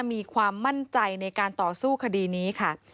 มีความมั่นใจในการต่อสู้คดีนี้ค่ะ